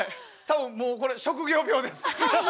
多分もうこれ職業病です。